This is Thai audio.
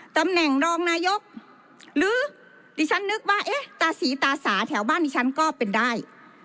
ตำแหน่งรองนายกหรือดิฉันนึกว่าเอ๊ะตาสีตาสาแถวบ้านดิฉันก็เป็นได้